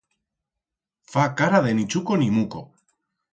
Fa cara de ni chuco ni muco.